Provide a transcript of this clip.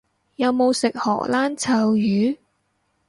有冇食荷蘭臭魚？